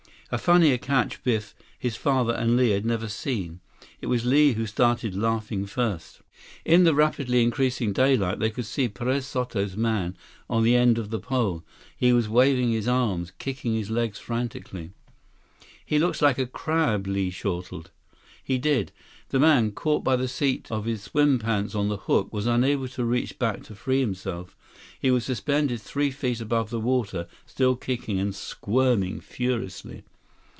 A funnier catch Biff, his father, and Li had never seen. It was Li who started laughing first. In the rapidly increasing daylight, they could see Perez Soto's man on the end of the pole. He was waving his arms, kicking his legs frantically. "He looks like a crab," Li chortled. He did. The man, caught by the seat of his swim pants on the hook, was unable to reach back to free himself. He was suspended three feet above the water, still kicking and squirming furiously.